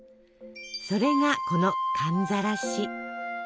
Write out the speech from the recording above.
それがこの「寒ざらし」。